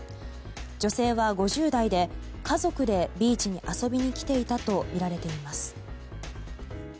女性は５０代で家族でビーチに遊びに来ていたとみられています。